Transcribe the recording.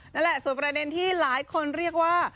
นั่นแหละส่วนประเด็นที่หลายคนเรียกว่า